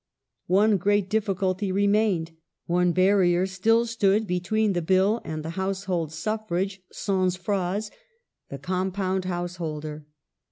One great difficulty remained ; one barrier still stood between the Bill and household suffrage sans phrase — the compound householder.?